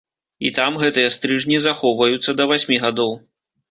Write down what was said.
І там гэтыя стрыжні захоўваюцца да васьмі гадоў.